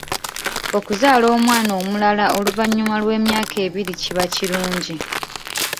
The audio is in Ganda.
Okuzaala omwana omulala oluvannyuma lw'emyaka ebiri kiba kilungi.